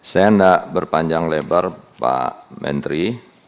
saya tidak berpanjang lebar pak menteri